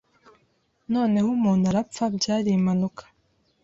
Noneho umuntu arapfa Byari impanuka